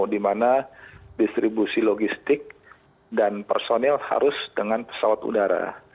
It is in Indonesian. di mana distribusi logistik dan personil harus dengan pesawat udara